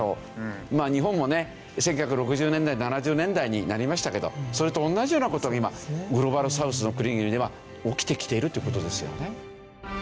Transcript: まあ日本もね１９６０年代７０年代になりましたけどそれと同じような事が今グローバルサウスの国々では起きてきているという事ですよね。